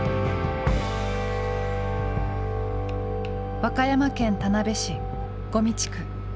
和歌山県田辺市五味地区。